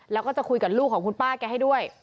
แล้วก็จะคุยกับลูกของคุณป้าแกให้ด้วย